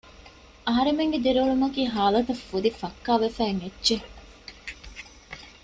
އަހަރެމެންގެ ދިރިއުޅުމަކީ ހާލަތަށް ފުދި ފައްކާވެފައި އޮތް އެއްޗެއް